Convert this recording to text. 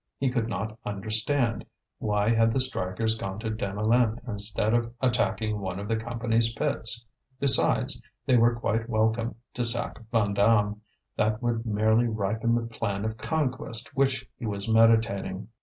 He could not understand. Why had the strikers gone to Deneulin instead of attacking one of the Company's pits? Besides, they were quite welcome to sack Vandame; that would merely ripen the plan of conquest which he was meditating.